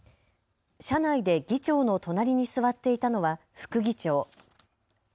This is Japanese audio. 車内で議長の隣に座っていたのは副議長。